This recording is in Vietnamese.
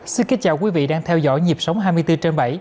xin kính chào quý vị đang theo dõi nhịp sống hai mươi bốn trên bảy